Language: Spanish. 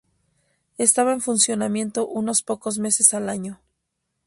Estaba en funcionamiento unos pocos meses al año.